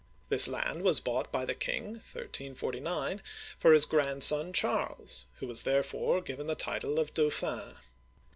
This land was bought by the king (1349) for his grandson Charles, who was therefore given the title of " Dau'phin."